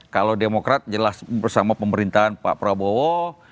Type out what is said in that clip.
kalau demokrat jelas bersama pemerintahan pak prabowo